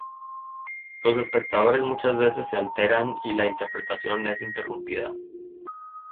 Los espectadores muchas veces se alteran y la interpretación es interrumpida.